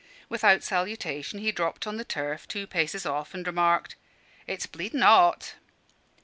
Without salutation he dropped on the turf two paces off and remarked "It's bleedin' 'ot."